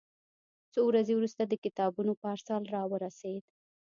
څو ورځې وروسته د کتابونو پارسل راورسېد.